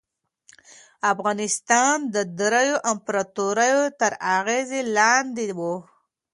افغانستان د دریو امپراطوریو تر اغېز لاندې و.